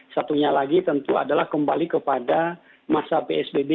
satunya lagi tentu adalah kembali kepada masa psbb